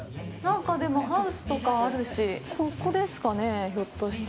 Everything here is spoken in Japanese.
ハウスとかあるしここですかね、ひょっとして。